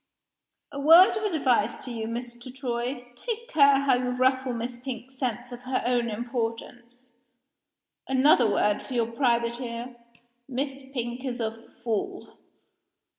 "A word of advice to you, Mr. Troy. Take care how you ruffle Miss Pink's sense of her own importance. Another word for your private ear. Miss Pink is a fool."